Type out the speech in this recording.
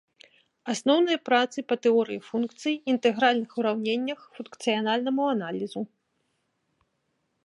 Асноўныя працы па тэорыі функцый, інтэгральных ураўненнях, функцыянальнаму аналізу.